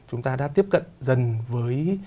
chúng ta đã tiếp cận dần với